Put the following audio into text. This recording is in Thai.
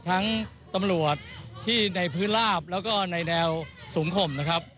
ทั้งตำรวจที่ในพื้นราบแล้วก็ในแนวสูงคล่ม